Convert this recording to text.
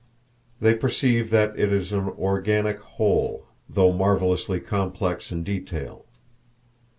They perceive that it is an organic whole, though marvelously complex in detail.